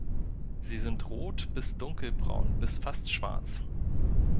Sie sind rot- bis dunkelbraun bis fast schwarz.